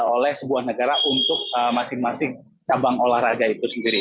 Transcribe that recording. oleh sebuah negara untuk masing masing cabang olahraga itu sendiri